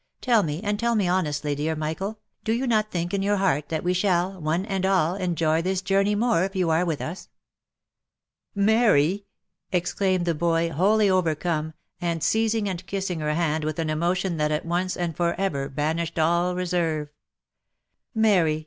Tell me, and tell me honestly, dear Michael, do you not think in your heart that we shall, one and all, enjoy this journey more if you are with us ?"" Mary !" exclaimed the boy, wholly overcome, and seizing and kissing her hand with an emotion that at once and for ever banished all reserve, " Mary